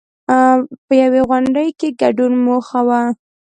په یوې غونډې کې ګډون موخه وه.